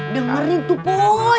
dengerin tuh poy